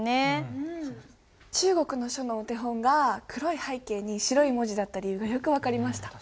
中国の書のお手本が黒い背景に白い文字だった理由がよく分かりました。